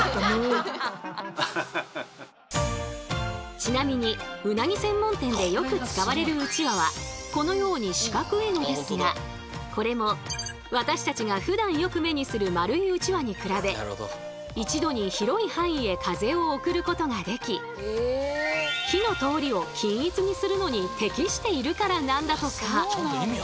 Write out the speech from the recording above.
ちなみにうなぎ専門店でよく使われるうちわはこのように四角いのですがこれも私たちがふだんよく目にする丸いうちわに比べ一度に広い範囲へ風を送ることができ火の通りを均一にするのに適しているからなんだとか。